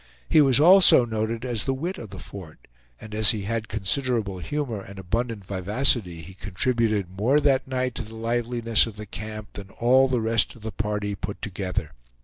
He was also noted as the wit of the Fort; and as he had considerable humor and abundant vivacity, he contributed more that night to the liveliness of the camp than all the rest of the party put together.